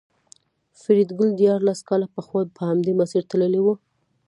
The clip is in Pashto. فریدګل دیارلس کاله پخوا په همدې مسیر تللی و